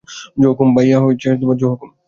জো হুকুম, ভাইয়া, জো হুকুম।